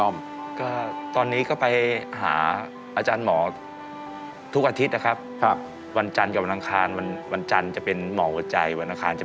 ไม่ใช่หมายถึงยาน่ะราคาน่ะ